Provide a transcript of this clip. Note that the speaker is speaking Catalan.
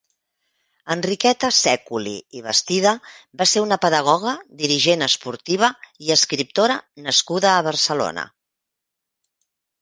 Enriqueta Sèculi i Bastida va ser una pedagoga, dirigent esportiva i escriptora nascuda a Barcelona.